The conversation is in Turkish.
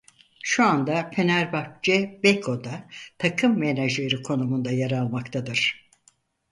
Şu anda Fenerbahçe Beko'da takım menajeri konumunda yer almaktadır.